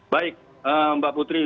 baik mbak putri